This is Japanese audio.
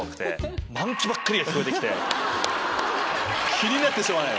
気になってしょうがない。